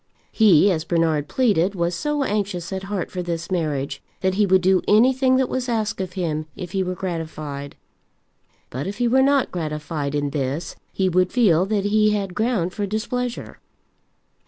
He, as Bernard pleaded, was so anxious at heart for this marriage, that he would do anything that was asked of him if he were gratified. But if he were not gratified in this, he would feel that he had ground for displeasure.